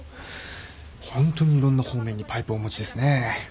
ホントにいろんな方面にパイプをお持ちですねぇ。